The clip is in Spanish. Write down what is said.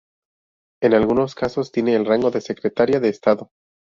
En algunos casos tiene el rango de secretaría de Estado.